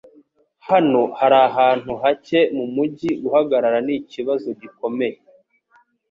Hano harahantu hake mumujyi guhagarara nikibazo gikomeye